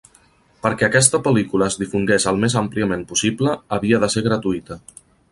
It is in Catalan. Perquè aquesta pel·lícula es difongués al més àmpliament possible, havia de ser gratuïta.